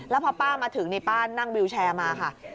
แล้วพอป้ามาถึงนี่ป้านั่งวิวแชร์มาค่ะ